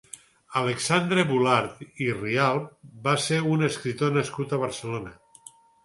Alexandre Bulart i Rialp va ser un escriptor nascut a Barcelona.